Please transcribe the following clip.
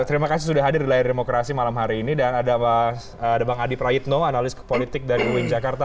terima kasih sudah hadir di layar demokrasi malam hari ini dan ada bang adi prayitno analis politik dari uin jakarta